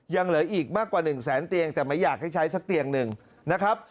ยังเหลืออีกมากกว่า๑แสนเตียงแต่ไม่อยากให้ใช้สักเตียงหนึ่งนะครับ